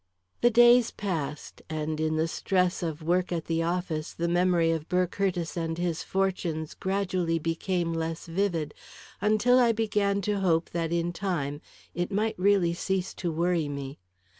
The days passed, and in the stress of work at the office, the memory of Burr Curtiss and his fortunes gradually became less vivid, until I began to hope that, in time, it might really cease to worry me.